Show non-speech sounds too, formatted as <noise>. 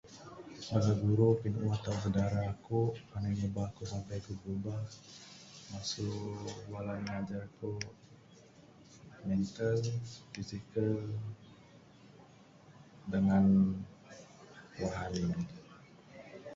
<unintelligible> ku brubah masu bala ne ngajar aku, mental, fizikal dangan. <unintelligible>